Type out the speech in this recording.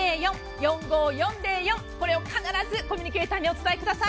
４５４０４これを必ずコミュニケーターにお伝えください。